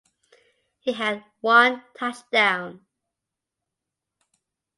He had one touchdown.